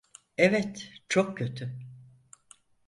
Evet, çok kötü.